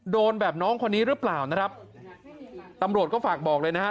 โดนแบบน้องคนนี้หรือเปล่านะครับตำรวจก็ฝากบอกเลยนะฮะ